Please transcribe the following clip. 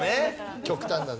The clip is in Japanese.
極端だな。